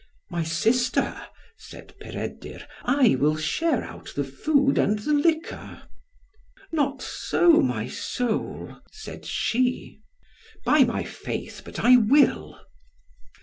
"My sister," said Peredur, "I will share out the food and the liquor." "Not so, my soul," said she. "By my faith, but I will."